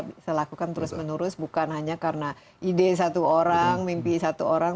bisa lakukan terus menerus bukan hanya karena ide satu orang mimpi satu orang